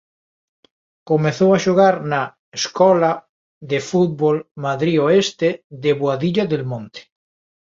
Comezou a xogar na Escola de Fútbol Madrid Oeste de Boadilla del Monte.